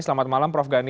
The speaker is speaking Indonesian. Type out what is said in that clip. selamat malam prof gani